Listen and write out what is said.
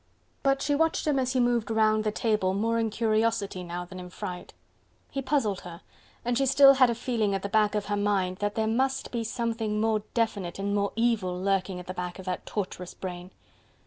But she watched him as he moved round the table more in curiosity now than in fright. He puzzled her, and she still had a feeling at the back of her mind that there must be something more definite and more evil lurking at the back of that tortuous brain.